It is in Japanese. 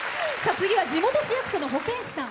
次は地元市役所の保健師さん。